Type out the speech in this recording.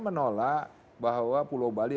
menolak bahwa pulau bali